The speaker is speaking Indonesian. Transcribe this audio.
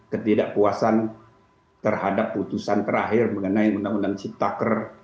ketidakpuasan terhadap keputusan terakhir mengenai undang undang siphtaker